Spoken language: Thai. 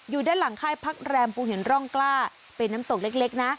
อยู่ด้านหลังค่ายพักแรมภูหินร่องกล้าเป็นน้ำตกเล็กนะ